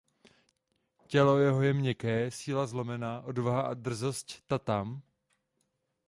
Tělo jeho je měkké, síla zlomena, odvaha a drzosť ta tam.